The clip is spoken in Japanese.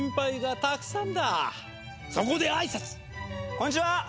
「こんにちは！